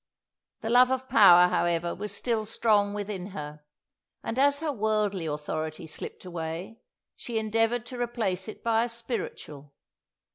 The love of power, however, was still strong within her, and as her worldly authority slipped away, she endeavoured to replace it by a spiritual.